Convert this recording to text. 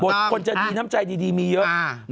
คนจะดีน้ำใจดีมีเยอะ